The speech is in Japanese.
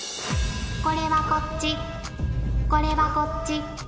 これはこっちこれはこっち。